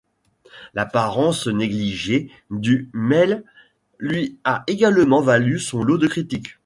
L'apparence négligée du Mail lui a également valu son lot de critiques.